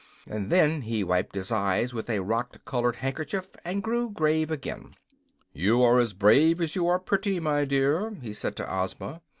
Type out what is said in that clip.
And then he wiped his eyes with a rock colored handkerchief and grew grave again. "You are as brave as you are pretty, my dear," he said to Ozma.